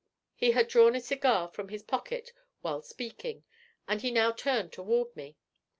He had drawn a cigar from his pocket while speaking, and he now turned toward me.